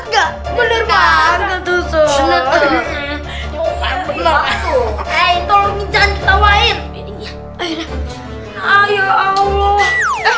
enggak bener banget tuh soh